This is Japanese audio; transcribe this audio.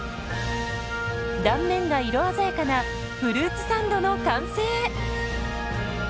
断面が色鮮やかなフルーツサンドの完成。